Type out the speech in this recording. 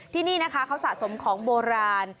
ที่นี่นะคะเขาสะสมของโบราณ